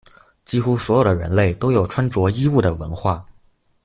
几乎所有的人类都有穿着衣物的文化。